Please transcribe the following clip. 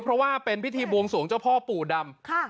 เพราะว่าเป็นพิธีบวงสวงเจ้าพ่อปู่ดำ